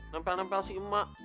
nempel nempel si emak